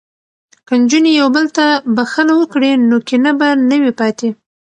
که نجونې یو بل ته بخښنه وکړي نو کینه به نه وي پاتې.